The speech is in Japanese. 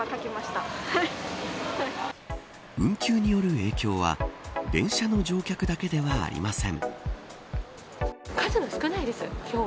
運休による影響は電車の乗客だけではありません。